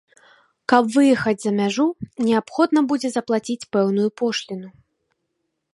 Каб выехаць за мяжу, неабходна будзе заплаціць пэўную пошліну.